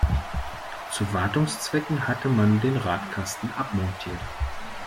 Zu Wartungszwecken hatte man den Radkasten abmontiert.